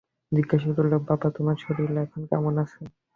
জিজ্ঞাসা করিল, বাবা, তোমার শরীর এখন কেমন আছে?